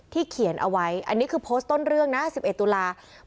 เขียนเอาไว้อันนี้คือโพสต์ต้นเรื่องนะ๑๑ตุลาคม